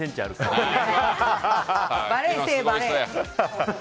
バレーせえ、バレー。